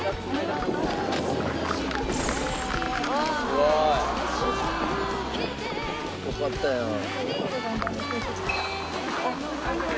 すごい！よかったやん。